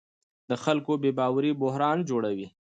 د خلکو بې باوري بحران جوړوي